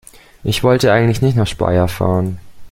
Ich wollte eigentlich nicht nach Speyer fahren